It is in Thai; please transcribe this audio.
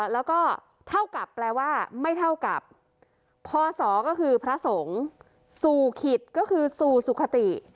แล้วก็เท่ากับแปลว่าไม่เท่ากับพศก็คือพระสงฆ์สู่ขิตก็คือสู่สุขติ